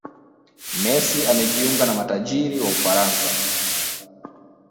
messi amejiunga na matajiri wa ufaransa